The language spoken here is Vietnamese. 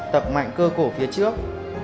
tập mạnh cơ cổ phía trước